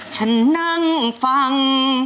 ฉันนั่งฟัง